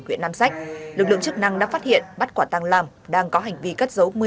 huyện nam sách lực lượng chức năng đã phát hiện bắt quả tăng lam đang có hành vi cất dấu